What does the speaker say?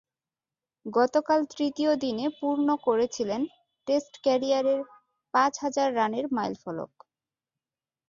গতকাল তৃতীয় দিনে পূর্ণ করেছিলেন টেস্ট ক্যারিয়ারে পাঁচ হাজার রানের মাইলফলক।